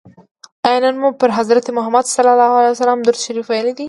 آیا نن مو پر حضرت محمد صلی الله علیه وسلم درود شریف ویلي دی؟